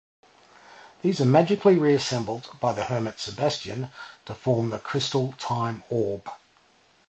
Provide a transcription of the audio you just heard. These are magically reassembled by the hermit Sebastian to form the crystal Time Orb.